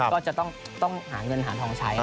ก็จะต้องหาเงินหาทองใช้